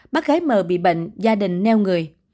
bác gái m bị bệnh gia đình neo người